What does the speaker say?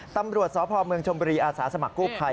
ตำรวจสพเมืองชมบุรีอาสาสมัครกู้ภัย